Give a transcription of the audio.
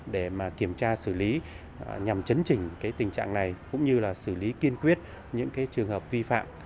để kiểm tra xử lý nhằm chấn chỉnh tình trạng này cũng như xử lý kiên quyết những trường hợp vi phạm